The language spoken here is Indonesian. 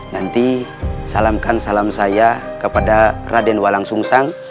nanti salamkan salam saya kepada raden wa langsung usang